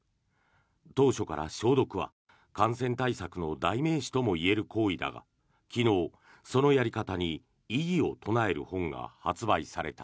当初から消毒は感染対策の代名詞ともいえる行為だが昨日、そのやり方に異議を唱える本が発売された。